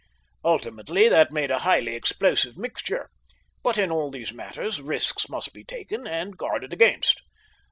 Ultimately that made a highly explosive mixture; but in all these matters risks must be taken and guarded against.